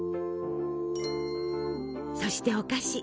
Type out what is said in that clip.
そしてお菓子。